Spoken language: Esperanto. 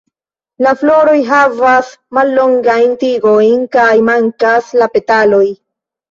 La floroj havas mallongajn tigojn kaj mankas la petaloj.